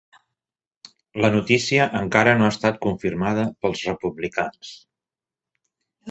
La notícia encara no ha estat confirmada pels republicans